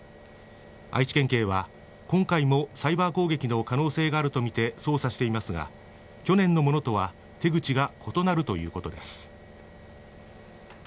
愛知県警は今回も、サイバー攻撃の可能性があるとみて捜査していますが去年のものとは手口が異なるということです。